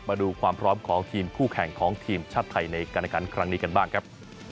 มาดูความพร้อมของทีมคู่แข่งของทีมชาติไทยในการครั้งนี้กันบ้างครับ